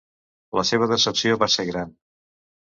La seva decepció va ser gran.